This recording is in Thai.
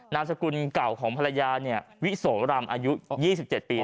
นามสกุลเก่าของภรรยาเนี่ยวิโสรามอายุ๒๗ปีนะ